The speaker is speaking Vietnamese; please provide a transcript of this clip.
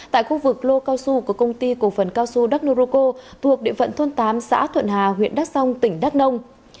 tại khu vực lô cao su của công ty cổ phần cao su đắk nô cô thuộc địa phận thôn tám xã thuận hà huyện đắk song tỉnh đắk nông